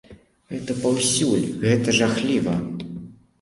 Гэта паўсюль, гэта жахліва!